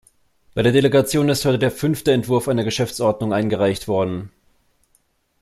Bei der Delegation ist heute der fünfte Entwurf einer Geschäftsordnung eingereicht worden.